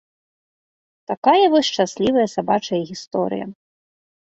Такая вось шчаслівая сабачая гісторыя.